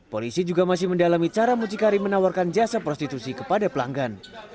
polisi juga masih mendalami cara mucikari menawarkan jasa prostitusi kepada pelanggan